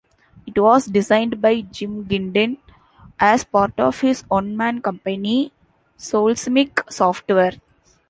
It was designed by Jim Gindin, as part of his one-man company, Solecismic Software.